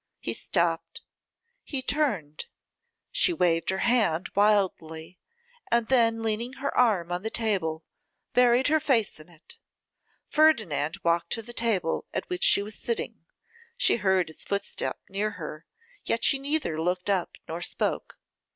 He stopped, he turned, she waved her hand wildly, and then leaning her arm on the table, buried her face in it. Ferdinand walked to the table at which she was sitting; she heard his footstep near her, yet she neither looked up nor spoke.